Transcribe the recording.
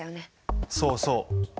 そうそう。